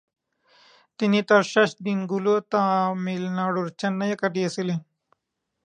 তিনি তাঁর শেষ দিনগুলো তামিলনাড়ুর চেন্নাইয়ে কাটিয়েছিলেন।